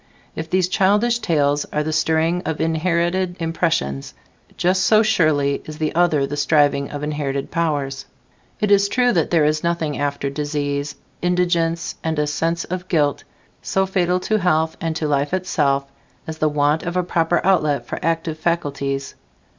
If these childish tales are the stirring of inherited impressions, just so surely is the other the striving of inherited powers. "It is true that there is nothing after disease, indigence and a sense of guilt, so fatal to health and to life itself as the want of a proper outlet for active faculties."